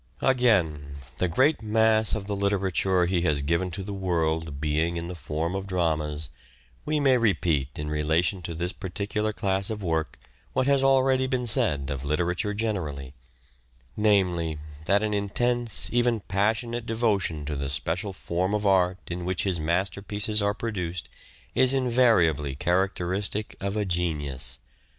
Again, the great mass of the literature he has given Enthusiasm to the world being in the form of dramas, we may for drama repeat in relation to this particular class of work what has already been said of literature generally : namely, that an intense, even passionate devotion to the special form of art in which his masterpieces are produced is invariably characteristic of a genius.